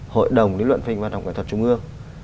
hội đồng lý luận phim hoạt động nghệ thuật trung ương